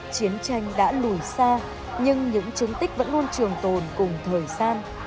chiến tranh đã lùi xa nhưng những chứng tích vẫn luôn trường tồn cùng thời gian